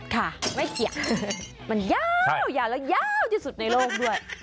ค่ะไม่เกี่ยวมันยาวยาวแล้วยาวที่สุดในโลกด้วย